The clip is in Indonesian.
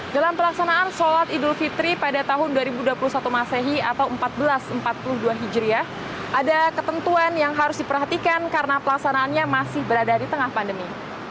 dalam pelaksanaan sholat idul fitri pada tahun dua ribu dua puluh satu masehi atau seribu empat ratus empat puluh dua hijriah ada ketentuan yang harus diperhatikan karena pelaksanaannya masih berada di tengah pandemi